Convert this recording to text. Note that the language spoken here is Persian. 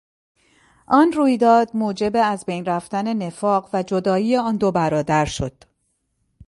آن رویداد موجب از بین رفتن نفاق و جدایی آن دو برادر شد.